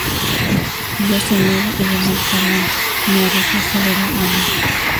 yo ceñudo y de mal talante, me arrojé sobre la hamaca